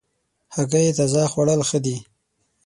هګۍ تازه خوړل ښه دي.